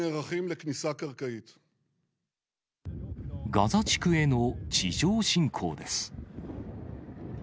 ガザ地区への地上侵攻です。